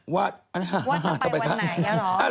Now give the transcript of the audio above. ว่าจะไปวันไหนหรอ